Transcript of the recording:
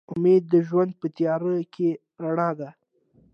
امید د ژوند په تیاره کې رڼا ده.